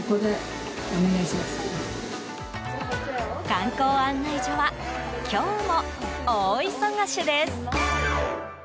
観光案内所は今日も大忙しです。